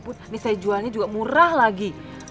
bukan senang banget